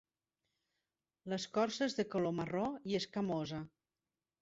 L'escorça és de color marró i escamosa.